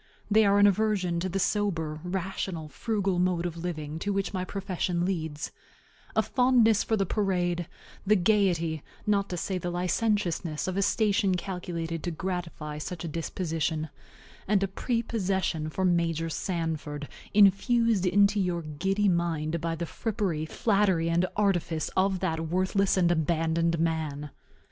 They are an aversion to the sober, rational, frugal mode of living to which my profession leads; a fondness for the parade, the gayety, not to say the licentiousness, of a station calculated to gratify such a disposition; and a prepossession for Major Sanford, infused into your giddy mind by the frippery, flattery, and artifice of that worthless and abandoned man.